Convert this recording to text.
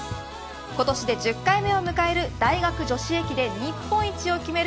今年で１０回目を迎える大学女子駅伝日本一を決める